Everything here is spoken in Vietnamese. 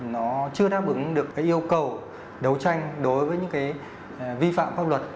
nó chưa đáp ứng được cái yêu cầu đấu tranh đối với những cái vi phạm pháp luật